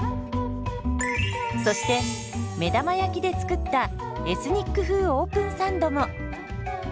そして目玉焼きで作ったエスニック風オープンサンドも。